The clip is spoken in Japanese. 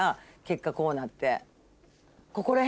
結果こうなって。